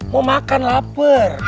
mau makan lapar